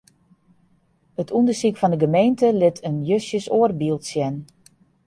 It ûndersyk fan 'e gemeente lit in justjes oar byld sjen.